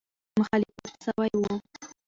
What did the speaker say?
مخالفت سوی وو.